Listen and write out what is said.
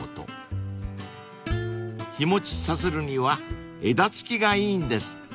［日持ちさせるには枝付きがいいんですって］